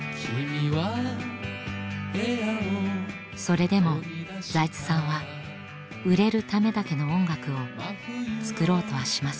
それでも財津さんは売れるためだけの音楽を作ろうとはしませんでした。